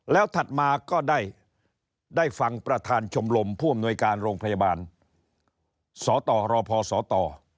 แล้วถัดมาก็ได้ฟังประธานชมรมผู้อำนวยการโรงพยาบาลสตรพศต